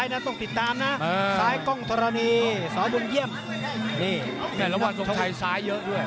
ยกต้องซมชัยใส่เยอะด้วย